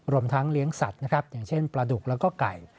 รวมทั้งเลี้ยงสัตว์อย่างเช่นปลาดุกและไก่